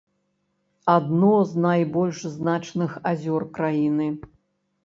Адно з найбольш значных азёр краіны.